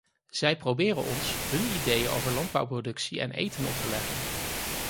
Zij proberen ons hun ideeën over landbouwproductie en eten op te leggen.